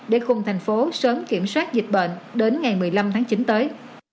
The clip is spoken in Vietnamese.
để cùng thành phố sớm kiểm soát dịch bệnh đến ngày một mươi năm tháng chín tới